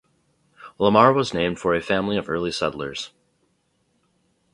Lamar was named for a family of early settlers.